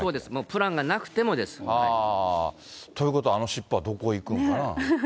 プランがなくてもです。ということはあの尻尾はどこ行くんかな。